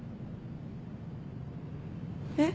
えっ？